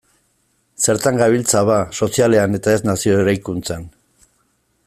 Zertan gabiltza, bada, sozialean ez eta nazio eraikuntzan?